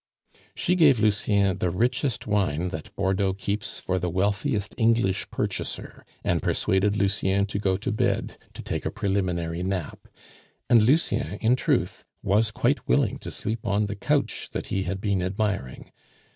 She gave Lucien the richest wine that Bordeaux keeps for the wealthiest English purchaser, and persuaded Lucien to go to bed to take a preliminary nap; and Lucien, in truth, was quite willing to sleep on the couch that he had been admiring.